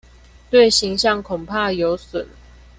對形象恐怕有損